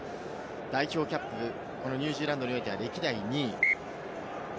代表キャップ、ニュージーランドにおいては歴代２位。